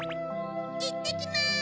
いってきます！